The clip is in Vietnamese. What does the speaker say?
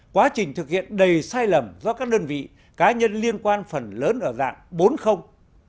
quá trình thực hiện đầy sai lầm do các đơn vị cá nhân liên quan phần lớn ở dạng bốn